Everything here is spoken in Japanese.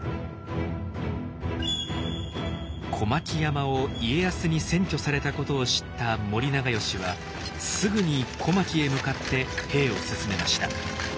小牧山を家康に占拠されたことを知った森長可はすぐに小牧へ向かって兵を進めました。